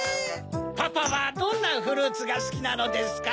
パパはどんなフルーツがすきなのですか？